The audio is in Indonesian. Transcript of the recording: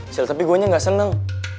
cel tapi gue gak seneng